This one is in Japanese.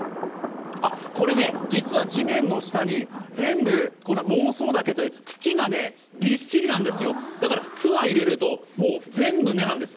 実は地面の下に全部孟宗竹という茎がびっしりなんですよ、だからくわを入れると、もう全部、根なんです。